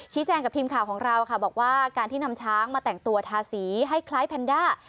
แจ้งกับทีมข่าวของเราค่ะบอกว่าการที่นำช้างมาแต่งตัวทาสีให้คล้ายแพนด้า